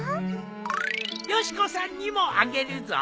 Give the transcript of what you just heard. よし子さんにもあげるぞ。